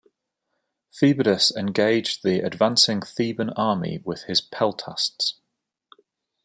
Phoebidas engaged the advancing Theban army with his peltasts.